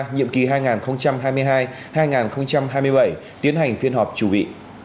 nhiệm kỳ hai nghìn hai mươi hai hai nghìn hai mươi bảy tiến hành phiên họp chủ bị